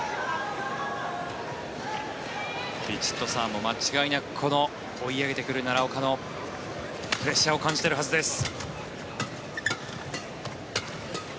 ヴィチットサーンも間違いなく追い上げてくる奈良岡のプレッシャーを感じているはずです。